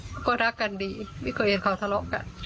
เขาก็รักกันดีไม่เคยเห็นเขาทะเลาะกัน